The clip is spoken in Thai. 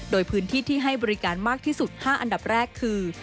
โดยพื้นที่ที่ให้บริการมากที่สุด๕อันดับแรกคือ